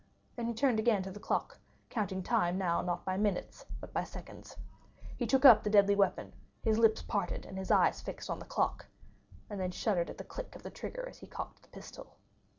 Then he turned again to the clock, counting time now not by minutes, but by seconds. He took up the deadly weapon again, his lips parted and his eyes fixed on the clock, and then shuddered at the click of the trigger as he cocked the pistol.